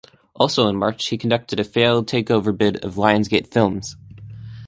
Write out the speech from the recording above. Also in March he conducted a failed takeover bid of Lionsgate Films.